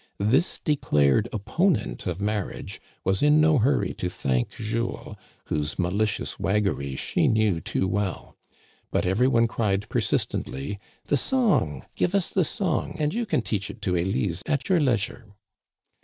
This declared opponent of marriage was in no hurry to thank Jules, whose malicious waggery she knew too well ; but every one cried persistently :" The song ! Give us the song, and you can teach it to Elise at your leisure."